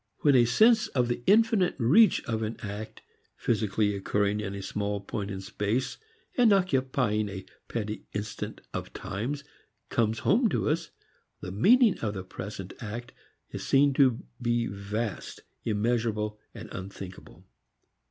When a sense of the infinite reach of an act physically occurring in a small point of space and occupying a petty instant of times comes home to us, the meaning of a present act is seen to be vast, immeasurable, unthinkable.